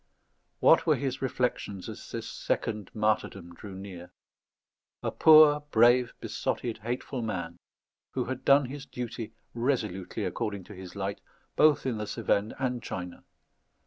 What were his reflections as this second martyrdom drew near? A poor, brave, besotted, hateful man, who had done his duty resolutely according to his light both in the Cevennes and China.